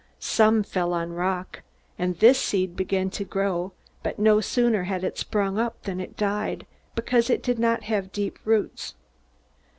Some fell on a rock, and this seed began to grow; but no sooner had it sprung up than it died, because it did not have deep roots.